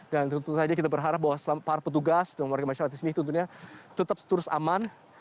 dan tentu saja kita berharap bahwa selama petugas dan warga masyarakat di sini tentunya tetap terus aman